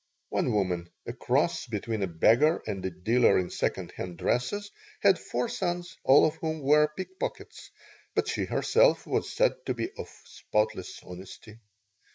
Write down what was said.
One woman, a cross between a beggar and a dealer in second hand dresses, had four sons, all of whom were pickpockets, but she herself was said to be of spotless honesty.